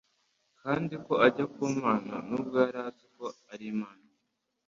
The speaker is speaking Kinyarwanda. kandi ko ajya ku Mana. Nubwo yari azi ko ari Imana,